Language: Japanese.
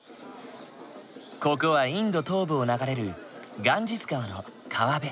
ここはインド東部を流れるガンジス川の川辺。